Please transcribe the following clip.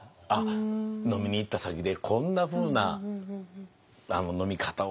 飲みに行った先でこんなふうな飲み方をしてとか。